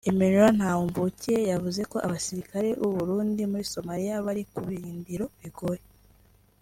Emmenuel Ntahomvukiye yavuze ko abasirikare b’u Burundi muri Somalia bari ku birindiro bigoye